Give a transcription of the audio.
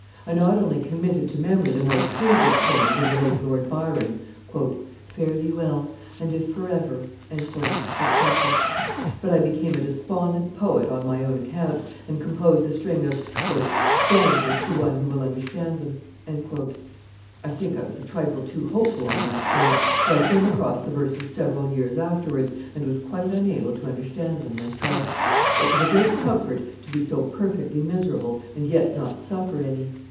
I not only committed to memory the more turgid poems of the late Lord Byron "Fare thee well, and if forever," &c. but I became a despondent poet on my own account, and composed a string of "Stanzas to One who will understand them." I think I was a trifle too hopeful on that point; for I came across the verses several years afterwards, and was quite unable to understand them myself. It was a great comfort to be so perfectly miserable and yet not suffer any.